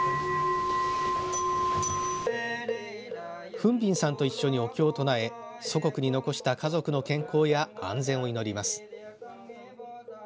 フン・ビンさんと一緒にお経を唱え祖国に残した家族の健康や安全を祈ります。